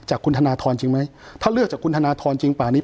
จากคุณธนทรจริงไหมถ้าเลือกจากคุณธนทรจริงป่านี้